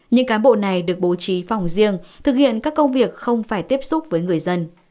những cán bộ này được bố trí phòng riêng thực hiện các công việc không phải tiếp xúc với người dân